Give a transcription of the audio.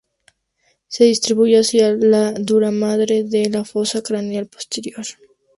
Se distribuye hacia la duramadre de la fosa craneal posterior.